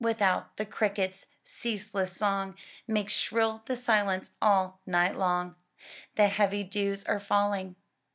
Without, the crickets* ceaseless song Makes shrill the silence all night long; The heavy dews are falling.